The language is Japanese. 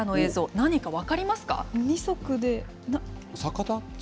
何か分かりますか？